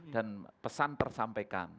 dan pesan tersampaikan